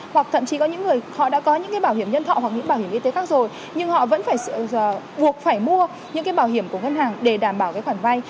hoặc thậm chí họ đã có những bảo hiểm nhân thọ hoặc những bảo hiểm y tế khác rồi nhưng họ vẫn phải buộc phải mua những bảo hiểm của ngân hàng để đảm bảo khoản vay